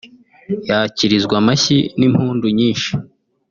yakirizwa amashyi n'impundu nyinshi